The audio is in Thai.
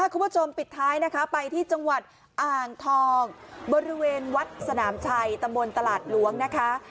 คุณผู้ชมปิดท้ายนะคะไปที่จังหวัดอ่างทองบริเวณวัดสนามชัยตำบลตลาดหลวงนะคะ